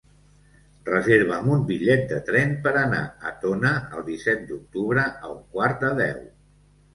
Reserva'm un bitllet de tren per anar a Tona el disset d'octubre a un quart de deu.